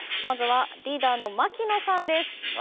まずはリーダーの槙野さんです。